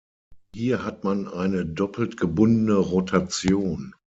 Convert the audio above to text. Hier hat man eine "doppelt gebundene Rotation.